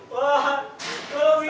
wah lo inget sih